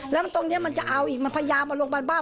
แล้วตรงนี้มันจะเอาอีกมันพยายามเอาลงมาบ้าง